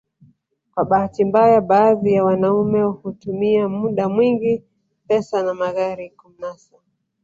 Kwa bahati mbaya baadhi ya wanaume hutumia muda mwingi pesa na magari kumnasa